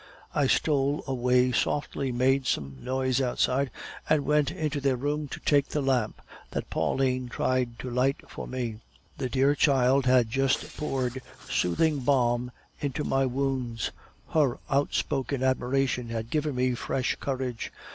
"I stole away softly, made some noise outside, and went into their room to take the lamp, that Pauline tried to light for me. The dear child had just poured soothing balm into my wounds. Her outspoken admiration had given me fresh courage.